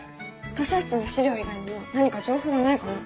図書室の史料以外にも何か情報はないかな？